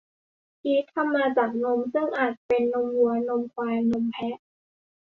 ชีส ทำมาจากนม ซึ่งอาจจะเป็นนมวัว นมควาย นมแพะ